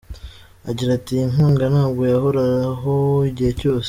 Agira ati “Iyi nkunga ntabwo yahoraho igihe cyose.